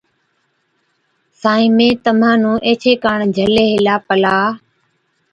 سائِين مين تمهان نُون ايڇي ڪاڻ جھلي هِلا پلان